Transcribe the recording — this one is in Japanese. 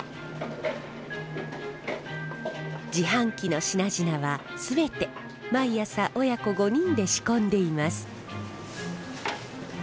自販機の品々は全て毎朝親子５人で仕込んでいます。